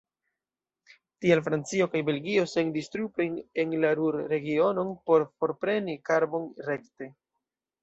Tial Francio kaj Belgio sendis trupojn en la Ruhr-regionon por forpreni karbon rekte.